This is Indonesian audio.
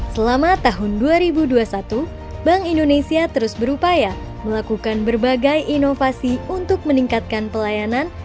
selama tahun dua ribu dua puluh satu bank indonesia terus berupaya melakukan berbagai inovasi untuk meningkatkan pelayanan